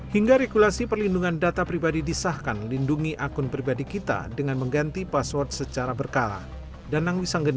hingga regulasi perlindungan data pribadi disahkan lindungi akun pribadi kita dengan mengganti password secara berkala